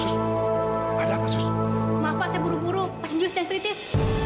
susu ada apa susu maaf pak saya buru buru pas jules yang kritis